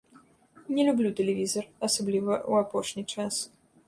Не люблю тэлевізар, асабліва ў апошні час.